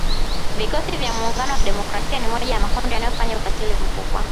Vikosi vya Muungano wa Kidemokrasia ni moja ya makundi yanayofanya ukatili mkubwa.